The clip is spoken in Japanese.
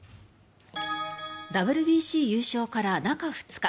ＷＢＣ優勝から中２日。